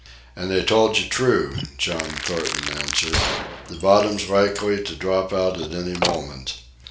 "And they told you true," John Thornton answered. "The bottom's likely to drop out at any moment.